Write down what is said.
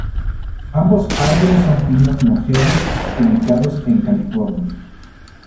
Ambos árboles son pinos longevos ubicados en California.